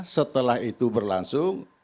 setelah itu berlangsung